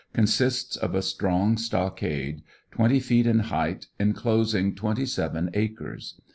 , consists of a strong stockade, twenty feet in height, enclosing twenty seven acres.